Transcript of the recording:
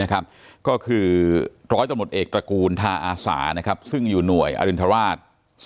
ก็คือร้อยตำรวจเอกตระกูลทาอาสาซึ่งอยู่หน่วยอรินทราช